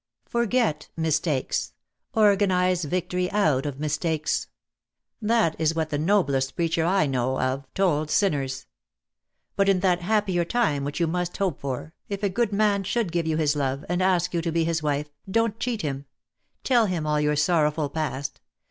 "'Forget mistakes; organise victory out of misr takes!' That is what the noblest preacher I know of told sinners. But in that happier time which you must hope for, if a good man should give you his love, and ask you to be his wife, don't cheat him. Tell him all your sorrowful past.